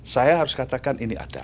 saya harus katakan ini ada